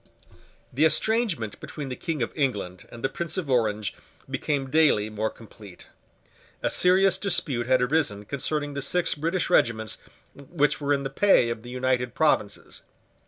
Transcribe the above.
The estrangement between the King of England and the Prince of Orange became daily more complete. A serious dispute had arisen concerning the six British regiments which were in the pay of the United Provinces.